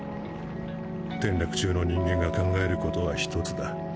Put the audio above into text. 転落中の人間が考えることはひとつだ。